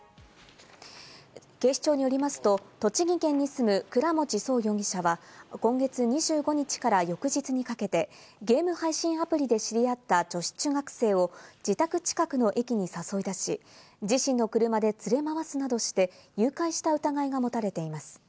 警視庁によりますと、栃木県に住む倉持颯容疑者は、今月２５日から翌日にかけてゲーム配信アプリで知り合った女子中学生を自宅近くの駅に誘い出し、自身の車で連れ回すなどして誘拐した疑いがもたれています。